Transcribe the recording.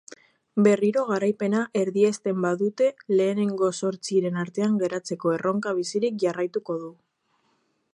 Berriro garaipena erdiesten badute lehengo zortziren artean geratzeko erronka bizirik jarraituko du.